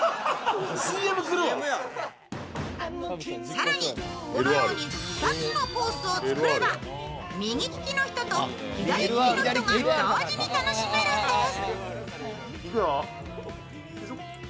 更にこのように２つのコースを作れば右利きの人と左利きの人が同時に楽しめるんです。